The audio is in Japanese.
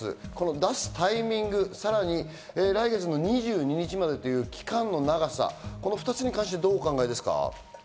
出すタイミング、さらに来月の２２日までという期間の長さ、この２つに関してどうお考えですか？